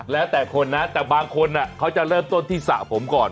แล้วแต่คนนะแต่บางคนเขาจะเริ่มต้นที่สระผมก่อน